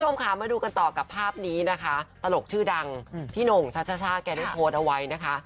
คุณผู้ชมค่ะมาดูกันต่อกับภาพนี้นะคะตลกชื่อดังพี่หน่งชัชช่าแกได้โพสต์เอาไว้นะคะ